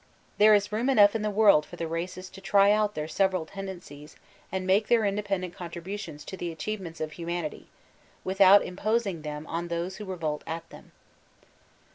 There is room enough in the world for the races to try out their several tendencies and make their independent contributions to the achievements of humanity, without imposing them on those who revolt at them.